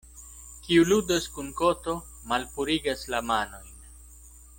Kiu ludas kun koto, malpurigas la manojn.